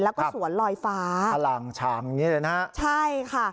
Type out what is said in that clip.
แล้วก็สวนลอยฟ้าพลังชางอย่างนี้เลยนะฮะใช่ค่ะ